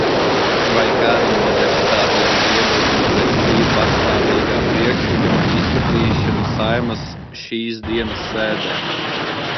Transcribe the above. Vai kādam no deputātiem ir iebildumi pret šī patstāvīgā priekšlikuma izskatīšanu Saeimas šīsdienas sēdē?